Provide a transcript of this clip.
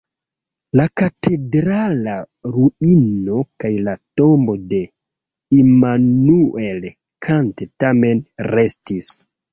La katedrala ruino kaj la tombo de Immanuel Kant tamen restis.